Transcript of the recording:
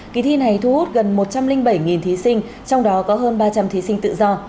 kỳ thi này thu hút gần một trăm linh bảy thí sinh trong đó có hơn ba trăm linh thí sinh tự do